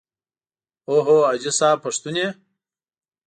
او هو حاجي صاحب پښتون یې.